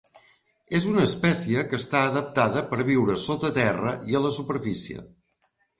És una espècie que està adaptada per viure sota terra i a la superfície.